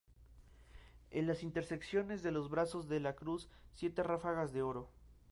En las intersecciones de los brazos de la cruz, siete ráfagas de oro.